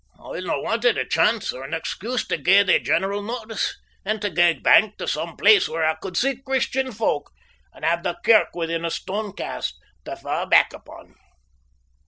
I only wanted a chance or an excuse tae gie the general notice, and tae gang back to some place where I could see Christian folk, and have the kirk within a stone cast tae fa' back upon.